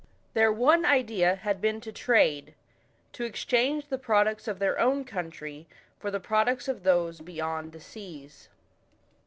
Their one idea had been to trade tc exchange the products of their own country for the products of those beyond the seas.